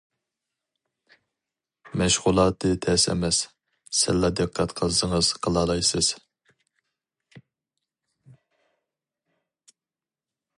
مەشغۇلاتى تەس ئەمەس، سەللا دىققەت قىلسىڭىز قىلالايسىز.